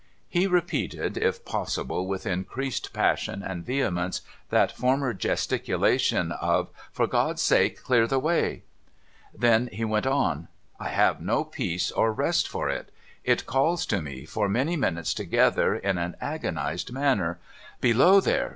' He repeated, if possible with increased passion and vehemence, that former gesticulation of, * For God's sake, clear the way !' Then he went on, ' I have no peace or rest for it. It calls to mc, for many minutes together, in an agonised manner, " Below there